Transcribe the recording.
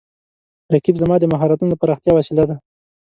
رقیب زما د مهارتونو د پراختیا وسیله ده